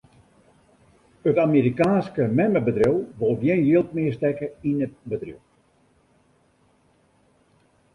It Amerikaanske memmebedriuw wol gjin jild mear stekke yn it bedriuw.